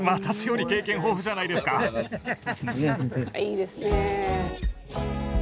いいですね。